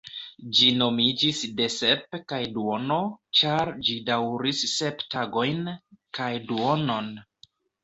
Ĝi nomiĝis "de sep kaj duono", ĉar ĝi daŭris sep tagojn kaj duonon.